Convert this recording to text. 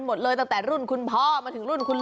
ส่วนเมนูที่ว่าคืออะไรติดตามในช่วงตลอดกิน